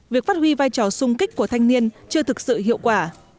việc phát huy vai trò sung kích của thanh niên chưa thực sự hiệu quả